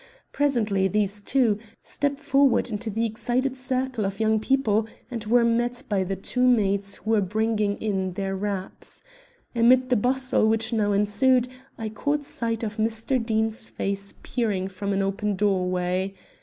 Presently these, too, stepped forward into the excited circle of young people, and were met by the two maids who were bringing in their wraps. Amid the bustle which now ensued, I caught sight of Mr. Deane's face peering from an open doorway.